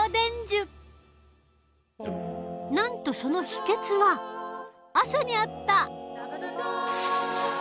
なんとそのヒケツは朝にあった。